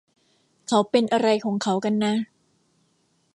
เขาเป็นอะไรของเขากันนะ